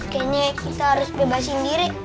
fallis harus bebas sendiri